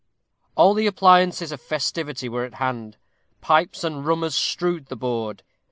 All the appliances of festivity were at hand. Pipes and rummers strewed the board.